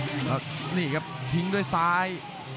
น้องนี่ครับทิ้งโดยซ้าย